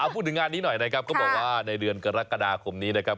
พูดถึงงานนี้หน่อยนะครับเขาบอกว่าในเดือนกรกฎาคมนี้นะครับ